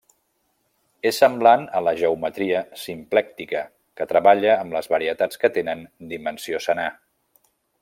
És semblant a la geometria simplèctica que treballa amb les varietats que tenen dimensió senar.